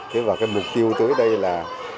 thế và cái mục tiêu tới đây là